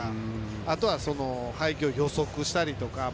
あとは、配球を予測したりとか。